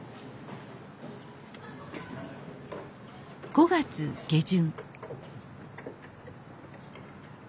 ５月下旬